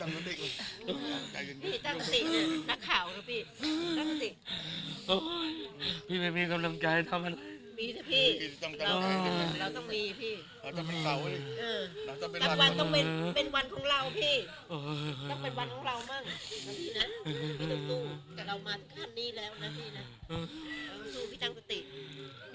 มีสิพี่เราต้องมีพี่ต้องเป็นวันของเราพี่ต้องเป็นวันของเรามั่งพี่ต้องตู้กับเรามาทั้งคันนี้แล้วนะพี่นะต้องตู้พี่ตั้งสติ